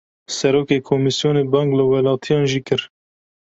Serokê komîsyonê, bang li welatiyan jî kir